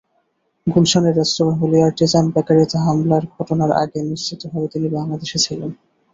গুলশানের রেস্তোরাঁ Holey Artisan বেকারিতে হামলার ঘটনার আগে নিশ্চিতভাবে তিনি বাংলাদেশে ছিলেন।